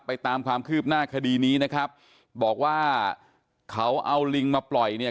ตามความคืบหน้าคดีนี้นะครับบอกว่าเขาเอาลิงมาปล่อยเนี่ย